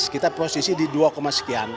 kita posisi di dua sekian